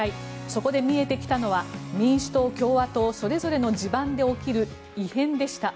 そこで見えてきたのは民主党、共和党それぞれの地盤で起きる異変でした。